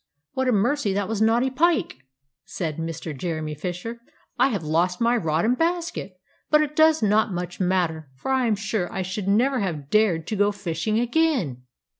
"What a mercy that was not a pike!" said Mr. Jeremy Fisher. "I have lost my rod and basket; but it does not much matter, for I am sure I should never have dared to go fishing again!"